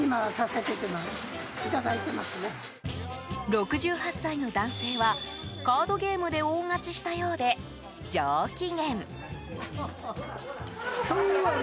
６８歳の男性はカードゲームで大勝ちしたようで上機嫌。